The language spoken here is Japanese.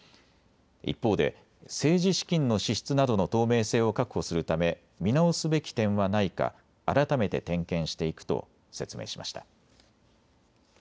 一方で政治資金の支出などの透明性を確保するため見直すべき点はないか改めて点検していくと説明しました。